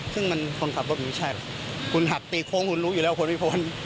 ซึ่งมันคนขับรถมันไม่ใช่หรอกคุณหักตีโค้งคุณรู้อยู่แล้วคุณไม่พ้น